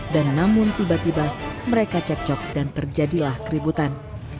dan namun tiba tiba mereka cekcok dan terjadilah keributan